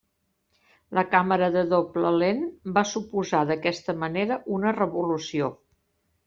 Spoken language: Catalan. La càmera de doble lent va suposar, d'aquesta manera, una revolució.